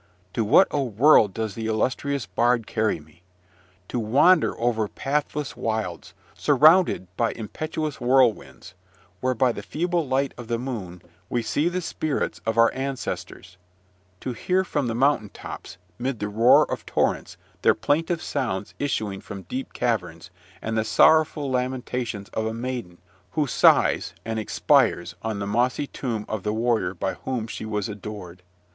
To what a world does the illustrious bard carry me! To wander over pathless wilds, surrounded by impetuous whirlwinds, where, by the feeble light of the moon, we see the spirits of our ancestors; to hear from the mountain tops, mid the roar of torrents, their plaintive sounds issuing from deep caverns, and the sorrowful lamentations of a maiden who sighs and expires on the mossy tomb of the warrior by whom she was adored.